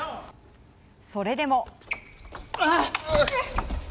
それでも。